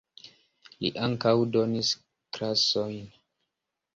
Li ankaŭ donis klasojn.